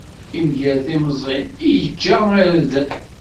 Imger timẓin, iǧǧa irden.